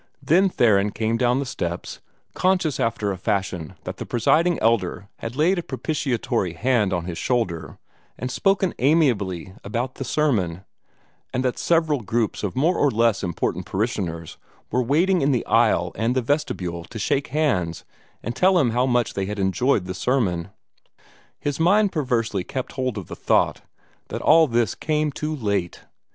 Then Theron came down the steps, conscious after a fashion that the Presiding Elder had laid a propitiatory hand on his shoulder and spoken amiably about the sermon, and that several groups of more or less important parishioners were waiting in the aisle and the vestibule to shake hands and tell him how much they had enjoyed the sermon. His mind perversely kept hold of the thought that all this came too late.